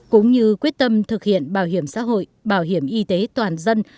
cũng như quyết tâm thực hiện bảo hiểm xã hội bảo hiểm y tế toàn dân